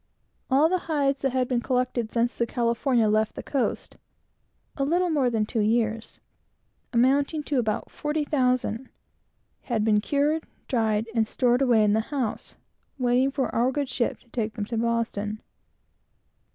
All the hides that had been collected since the California left the coast, (a little more than two years,) amounting to about forty thousand, were cured, dried, and stowed away in the house, waiting for our good ship to take them to Boston.